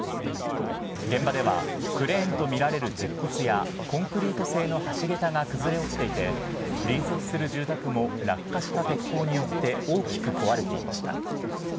現場では、クレーンと見られる鉄骨やコンクリート製の橋桁が崩れ落ちていて、隣接する住宅も落下した鉄鋼によって大きく壊れていました。